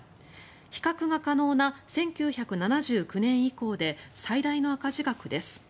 比較が可能な１９７９年以降で最大の赤字額です。